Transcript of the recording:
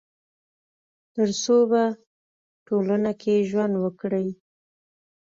تر څو په ټولنه کي ژوند وکړي